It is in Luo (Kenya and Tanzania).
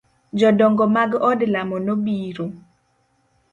Jodongo mag odlamo no biro.